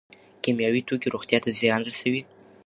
کیمیاوي توکي روغتیا ته زیان رسوي.